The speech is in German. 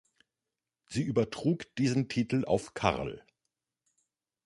Sie übertrug diesen Titel auf Karl.